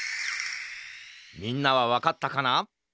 みんなはわかったかな？